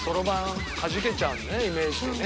イメージでね。